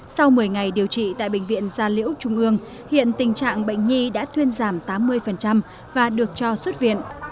sau một mươi ngày điều trị tại bệnh viện gia liễu trung ương hiện tình trạng bệnh nhi đã thuyên giảm tám mươi và được cho xuất viện